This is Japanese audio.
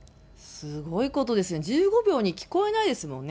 すごいことですよ、１５秒に聞こえないですもんね。